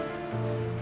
sampai jumpa lagi